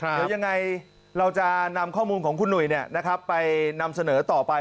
เดี๋ยวยังไงเราจะนำข้อมูลของคุณหนุ่ยไปนำเสนอต่อไป